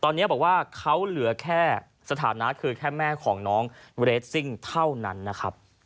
ตอนนี้บอกว่าเขาเหลือแค่สถานะคือแค่แม่ของน้องเรสซิ่งเท่านั้นนะครับ